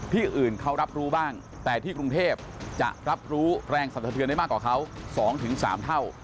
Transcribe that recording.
ที่อื่นเขารับรู้บ้างแต่ที่กรุงเทพจะรับรู้แรงสรรสะเทือนได้มากกว่าเขา๒๓เท่า